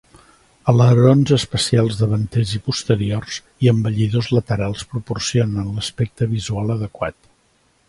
Alerons especials davanters i posteriors i embellidors laterals proporcionen l'aspecte visual adequat.